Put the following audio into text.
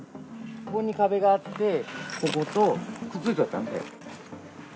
ここに壁があって、こことくっついとったんだよ。